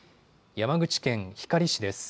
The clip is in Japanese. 山口県光市です。